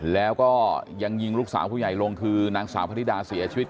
แล้วก็ยังยิงลูกสาวผู้ใหญ่ลงคือนางสาวพระธิดาเสียชีวิต